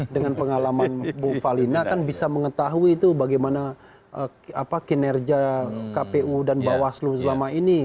dengan pengalaman bu falina kan bisa mengetahui itu bagaimana kinerja kpu dan bawaslu selama ini